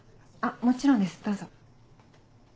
もちろんですどうぞ。